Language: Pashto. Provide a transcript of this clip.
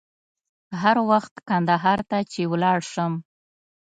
هر وخت کندهار ته چې ولاړ شم.